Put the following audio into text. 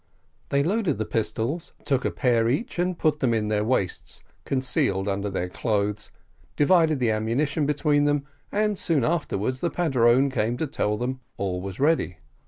They loaded the pistols, took a pair each and put them in their waists, concealed under their clothes divided the ammunition between them, and soon afterwards the padrone came to tell them all was ready.